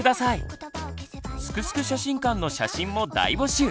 「すくすく写真館」の写真も大募集！